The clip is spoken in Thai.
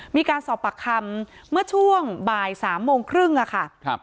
มีการสอบปากคำเมื่อช่วงบ่าย๓โมงครึ่งค่ะ